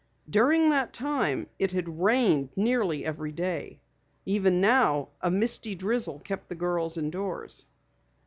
During that time it had rained nearly every day. Even now, a misty drizzle kept the girls indoors.